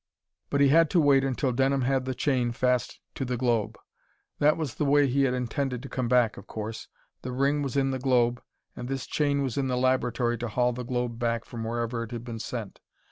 But he had to wait until Denham had the chain fast to the globe. That was the way he had intended to come back, of course. The ring was in the globe, and this chain was in the laboratory to haul the globe back from wherever it had been sent.